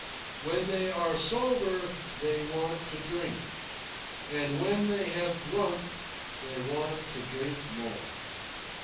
When they are sober they want to drink; and when they have drunk they want to drink more.